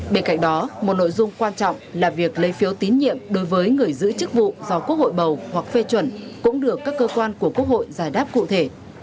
bên cạnh đó một nội dung quan trọng là việc lấy phiếu tín nhiệm đối với người giữ chức vụ do quốc hội bầu hoặc phê chuẩn cũng được các cơ quan của quốc hội giải đáp cụ thể